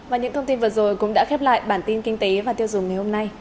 và những thông tin vừa rồi cũng đã khép lại bản tin kinh tế và tiêu dùng ngày hôm nay